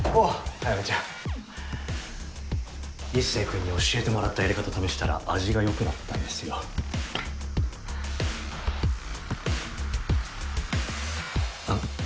早梅ちゃん壱成君に教えてもらったいれ方試したら味が良くなったんですようん？